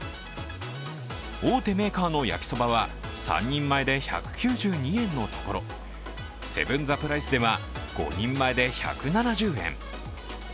大手メーカーの焼きそばは３人前で１９２円のところセブン・ザ・プライスでは５人前で１７０円。